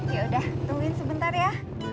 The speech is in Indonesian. yaudah tungguin sebentar ya